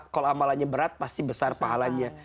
kalau amalannya berat pasti besar pahalanya